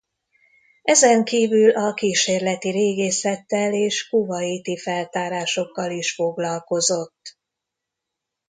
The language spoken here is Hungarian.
Ezen kívül a kísérleti régészettel és kuvaiti feltárásokkal is foglalkozott.